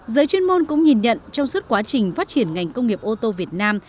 giới chuyên môn cũng nhìn nhận trong suốt quá trình phát triển ngành công nghiệp ô tô việt nam